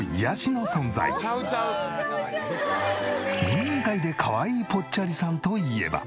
人間界でかわいいぽっちゃりさんといえば。